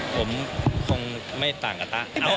ผมคงไม่ต่างกับตะ